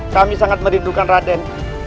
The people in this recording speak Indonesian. kami sangat merindukan raden